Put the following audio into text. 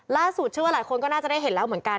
เชื่อว่าหลายคนก็น่าจะได้เห็นแล้วเหมือนกัน